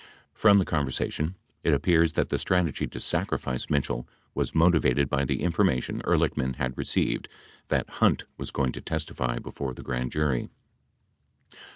From the conversation, it appears that the strategy to sacrifice Mitch ell was motivated by the information Ehrlichman had received that Hunt was going to testify before the grand jury.